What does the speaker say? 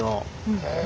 へえ。